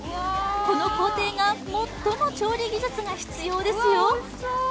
この工程が最も調理技術が必要ですよ